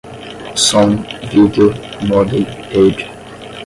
som, vídeo, modem, rede